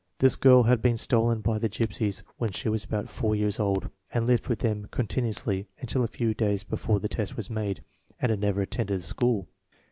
This girl had been stolen by the gypsies when she was about four years old, had lived with them continu ously until a few days before the test was made, and had never attended a school.